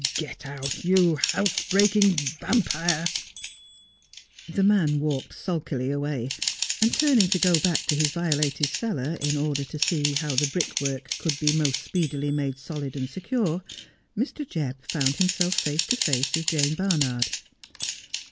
Get out, you house breaking vampire.' 244 Just as 1 Am. The man walked sulkily away, and, turning to go back to his violated cellar, in order to see how the brickwork could be most speedily made solid and secure, Mr. Jebb found himself face to face with Jane Barnard.